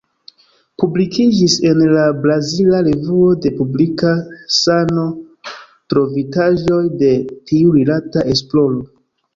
Publikiĝis en la brazila Revuo de Publika Sano trovitaĵoj de tiurilata esploro.